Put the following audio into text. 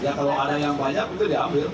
ya kalau ada yang banyak itu diambil